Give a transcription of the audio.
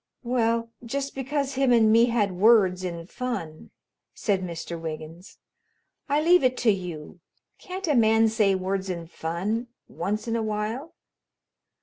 "Well, just because him and me had words in fun," said Mr. Wiggins, "I leave it to you, can't a man say words in fun once in a while?"